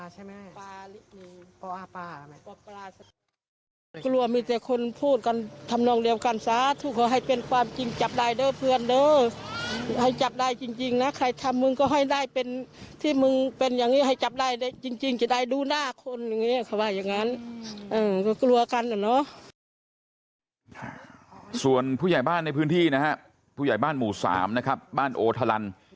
ส่วนผู้ใหญ่บ้านในพื้นที่นะฮะผู้ใหญ่บ้านหมู่๓นะครับบ้านโอทะลัน